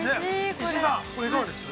◆石井さん、いかがですか。